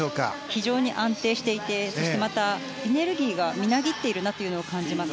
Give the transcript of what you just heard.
非常に安定していてそしてまた、エネルギーがみなぎっているなと感じます。